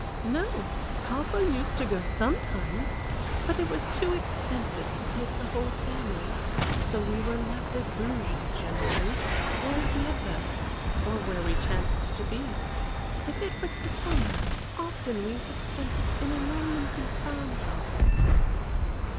"No. Papa used to go sometimes, but it was too expensive to take the whole family; so we were left at Bruges generally, or at Dieppe, or where we chanced to be. If it was the summer, often we have spent it in a Normandy farm house."